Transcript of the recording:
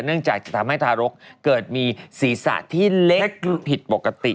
เนื่องจากจะทำให้ทารกเกิดมีศีรษะที่เล็กผิดปกติ